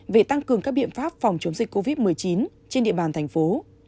về tăng cường các biện pháp phòng chống dịch covid một mươi chín trên địa bàn thành phố